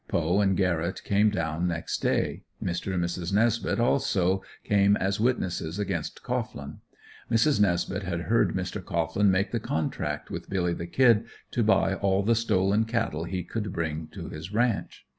Poe and Garrett came down next day. Mr. and Mrs. Nesbeth also came as witnesses against Cohglin. Mrs. Nesbeth had heard Mr. Cohglin make the contract with, "Billy the Kid," to buy all the stolen cattle he would bring to his ranch.